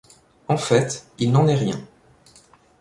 En fait, il n’en est rien.